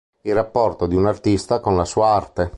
Il rapporto di un artista con la sua “arte”.